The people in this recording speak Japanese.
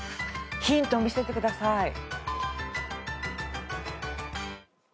ヒント見せてください。